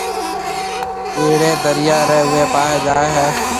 ٻِيڙِي دريا ريَ اُوئي پاهيَ جائي هيَ۔